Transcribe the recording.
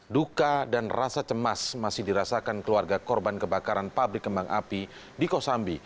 duka dan rasa cemas masih dirasakan keluarga korban kebakaran pabrik kembang api di kosambi